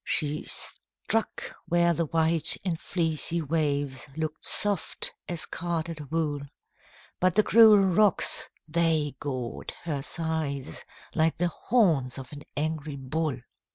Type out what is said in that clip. She struck where the white and fleecy waves Look'd soft as carded wool, But the cruel rocks, they gored her sides Like the horns of an angry bull.